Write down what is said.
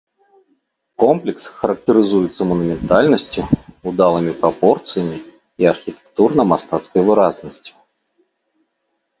Комплекс характарызуецца манументальнасцю, удалымі прапорцыямі і архітэктурна-мастацкай выразнасцю.